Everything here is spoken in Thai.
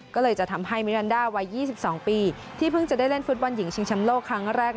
ก็เลยจะทำให้มิรันดาวัย๒๒ปีที่เพิ่งจะได้เล่นฟุตบอลหญิงชิงแชมป์โลกครั้งแรก